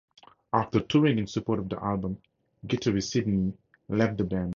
After touring in support of the album, guitarist Sydney left the band.